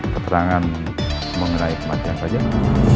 keterangan mengenai kematian pak jaka